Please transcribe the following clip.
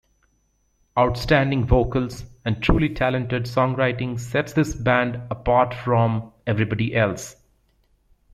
Outstanding vocals and truly talented songwriting sets this band apart from everybody else.